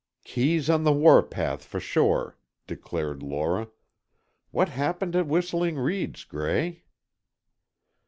"Kee's on the warpath for sure," declared Lora. "What happened at Whistling Reeds, Gray?"